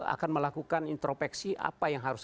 akan melakukan intropeksi apa yang harus